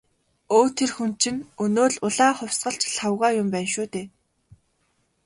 Өө тэр хүн чинь өнөө л «улаан хувьсгалч» Лхагва юм байна шүү дээ.